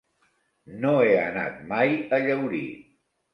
No he anat mai a Llaurí.